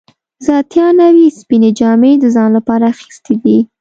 زه اتیا نوي سپینې جامې د ځان لپاره اخیستې دي.